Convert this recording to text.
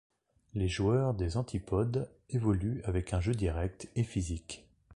Les joueurs des antipodes évoluent avec un jeu direct et physique.